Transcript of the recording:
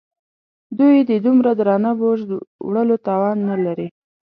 دوی د دومره درانه بوج وړلو توان نه لري.